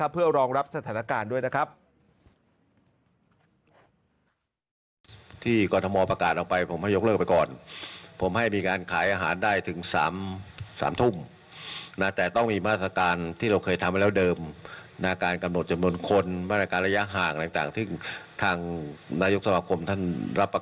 เพื่อรองรับสถานการณ์ด้วยนะครับ